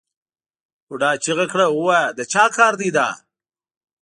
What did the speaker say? بوډا چیغه کړه ووایه د چا کار دی دا؟